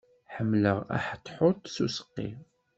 Ḥemmleɣ aḥetḥut s useqqi.